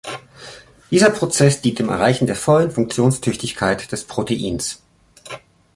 Dieser Prozess dient dem Erreichen der vollen Funktionstüchtigkeit des Proteins.